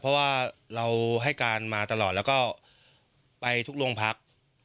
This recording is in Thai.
เพราะว่าเราให้การมาตลอดแล้วก็ไปทุกโรงพัก